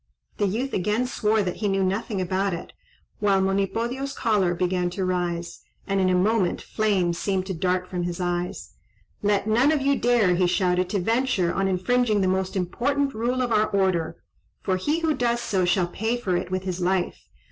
The youth again swore that he knew nothing about it, while Monipodio's choler began to rise, and in a moment flames seemed to dart from his eyes. "Let none of you dare," he shouted, "to venture on infringing the most important rule of our order, for he who does so shall pay for it with his life.